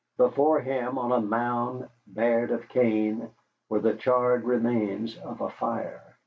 Before him, on a mound bared of cane, were the charred remains of a fire.